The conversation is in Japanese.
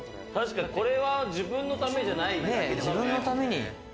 これは自分のためじゃない。